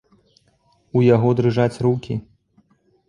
У яго дрыжаць рукі.